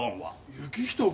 行人君。